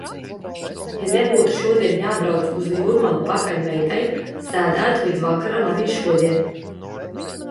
Ja nebūtu šodien jābrauc uz Jūrmalu pakaļ meitai, sēdētu līdz vakaram arī šodien.